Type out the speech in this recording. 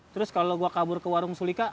terus kalau gue kabur ke warung sulika